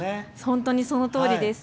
本当にそのとおりです。